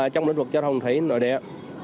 trong lĩnh vực giao thông thủy nội địa